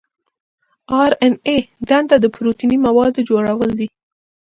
د آر این اې دنده د پروتیني موادو جوړول دي.